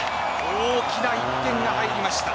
大きな１点が入りました。